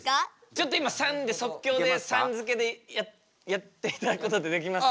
ちょっと今「さん」で即興でさん付けでやっていただくことってできます？